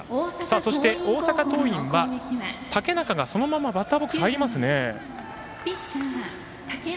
そして、大阪桐蔭は竹中がそのままバッターボックスに入りますね。